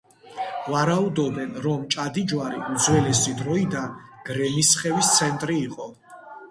ვარაუდობენ, რომ მჭადიჯვარი უძველესი დროიდან გრემისხევის ცენტრი იყო.